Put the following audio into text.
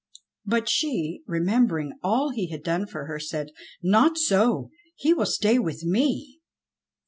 But she, remembering all he had done for her said, "Not so! He will stay with me!"